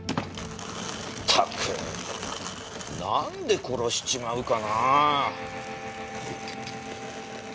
ったくなんで殺しちまうかなあ！